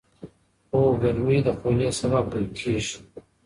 هو، ګرمي د خولې سبب کېږي.